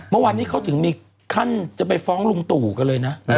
เมื่อวานนี้เขาถึงมีขั้นจะไปฟ้องลุงตู่กันเลยนะ